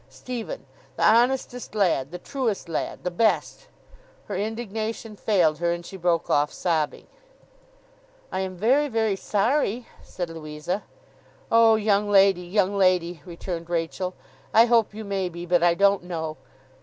Stephen! The honestest lad, the truest lad, the best!' Her indignation failed her, and she broke off sobbing. 'I am very, very sorry,' said Louisa. 'Oh, young lady, young lady,' returned Rachael, 'I hope you may be, but I don't know!